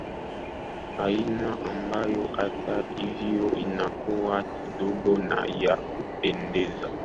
aina ambayo hata hivyo inakuwa kidogo na ya kupendeza